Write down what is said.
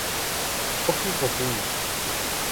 Koki Fukui